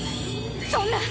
そんな！